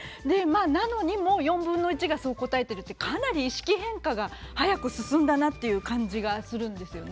なのに、もう４分の１がそう答えているというのはかなり意識変化が早く進んだなという感じがするんですよね。